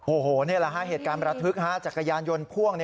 โอ้โหนี่แหละฮะเหตุการณ์ประทึกจักรยานยนต์พ่วง